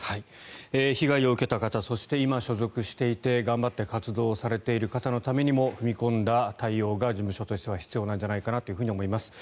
被害を受けた方そして今、所属していて頑張って活動されている方のためにも踏み込んだ対応が事務所としては必要なんじゃないかと思います。